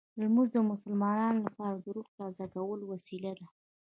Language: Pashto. لمونځ د مسلمانانو لپاره د روح تازه کولو وسیله ده.